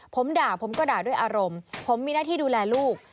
ผมด่าผมก็ด่าด้วยอารมณ์ผมมีหน้าที่ดูแลลูก